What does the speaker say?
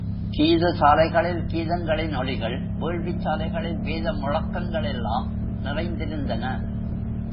கீத சாலைகளில் கீதங்களின் ஒலிகள், வேள்விச் சாலைகளில் வேத முழக்கங்கள் எல்லாம் நிறைந்திருந்தன.